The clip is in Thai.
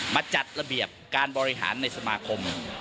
จัดระเบียบการบริหารในสมาคม